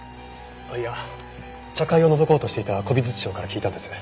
いや茶会をのぞこうとしていた古美術商から聞いたんです。